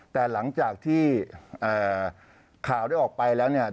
แต่หลังจากที่ข่าวได้ออกไปแล้วเนี่ย